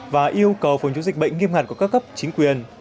và yêu cầu phòng chống dịch bệnh nghiêm ngặt của các cấp chính quyền